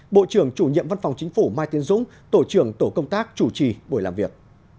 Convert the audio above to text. bộ trưởng chủ nhiệm văn phòng chính phủ mai tiến dũng tổ trưởng tổ công tác chủ trì buổi làm việc